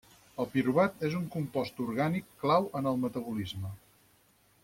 El piruvat és un compost orgànic clau en el metabolisme.